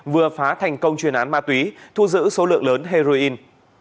vừa phá thành công chuyên án ma túy thu giữ số lượng lớn heroin